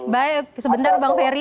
baik sebentar bang ferry